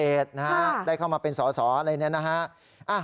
เออสสปัตต์เศษได้เข้ามาเป็นสสอะไรแน่นั้น